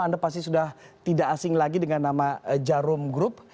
anda pasti sudah tidak asing lagi dengan nama jarum group